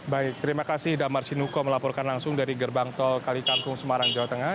baik terima kasih damar sinuko melaporkan langsung dari gerbang tol kali kangkung semarang jawa tengah